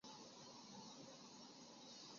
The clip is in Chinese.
水黾以极快的速度在水面上滑行以捕捉猎物。